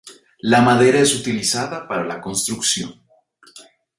La madera es utilizada para la construcción.